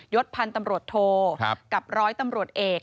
ศพันธ์ตำรวจโทกับร้อยตำรวจเอก